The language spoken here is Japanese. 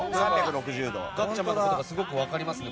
「ガッチャマン」のことがすごく分かりますね